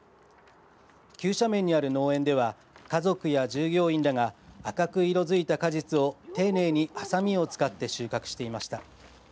急斜面にある農園では家族や従業員らが赤く色づいた果実を丁寧にはさみを使って収穫していました。